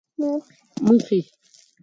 مخې،